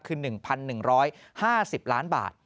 คือ๑๑๕๐ล้านบาท